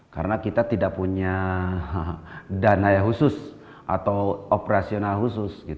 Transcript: karena kita tidak punya dana khusus atau operasional khusus